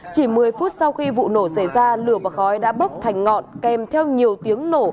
chỉ một mươi phút sau khi vụ nổ xảy ra lửa và khói đã bốc thành ngọn kèm theo nhiều tiếng nổ